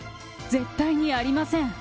絶対にありません！